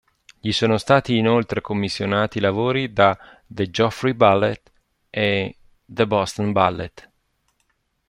Gli sono stati inoltre commissionati lavori da The Joffrey Ballet e the Boston Ballet.